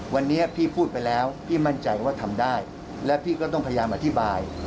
วันนี้พี่พูดไปแล้วพี่มั่นใจว่าทำได้และพี่ก็ต้องพยายามอธิบาย